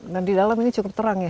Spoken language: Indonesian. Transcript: di dalam ini cukup terang ya